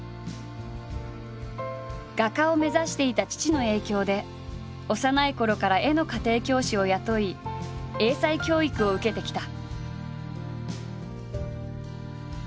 画家を目指していた父の影響で幼いころから絵の家庭教師を雇い英才教育を受けてきた。